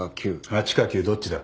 ８か９どっちだ？